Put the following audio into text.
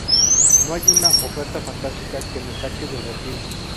No hay una oferta fantástica que me saque del retiro.